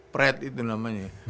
pret itu namanya